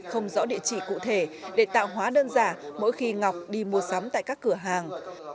không rõ địa chỉ cụ thể để tạo hóa đơn giả mỗi khi ngọc đi mua sắm tại các cửa hàng